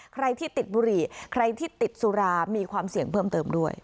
ใครที่ติดบุหรี่ใครที่ติดสุรามีความเสี่ยงเพิ่มเติมด้วย